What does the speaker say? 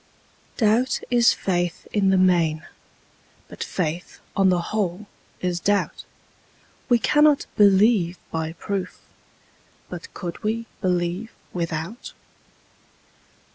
Doubt is faith in the main: but faith, on the whole, is doubt: We cannot believe by proof: but could we believe without?